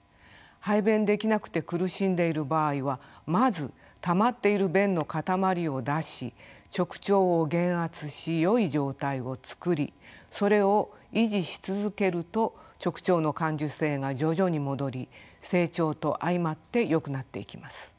排便できなくて苦しんでいる場合はまずたまっている便の塊を出し直腸を減圧しよい状態を作りそれを維持し続けると直腸の感受性が徐々に戻り成長と相まってよくなっていきます。